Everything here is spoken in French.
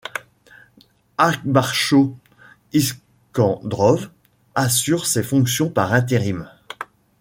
Akbarcho Iskandrov assure ces fonctions par intérim.